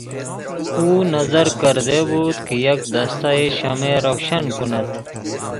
او نذر کرده بود که یک دستهٔ شمع روشن کند.